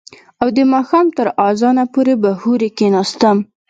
او د ماښام تر اذانه پورې به هورې کښېناستم.